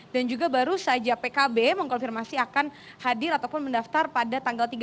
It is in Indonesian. dan juga baru saja pkb mengkonfirmasi akan hadir ataupun mendaftar pada tanggal tiga belas